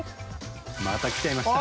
また来ちゃいました。